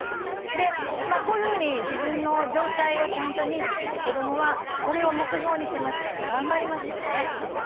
こういうふうに自分の状態をちゃんと認知して子どもはこれを目標にしていますから頑張りますよね。